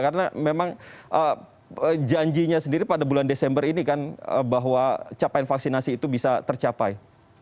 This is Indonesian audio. karena memang janjinya sendiri pada bulan desember ini kan bahwa capaian vaksinasi itu bisa tercapai